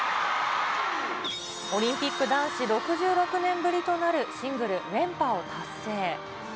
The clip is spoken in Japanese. オリンピック男子６６年ぶりとなるシングル連覇を達成。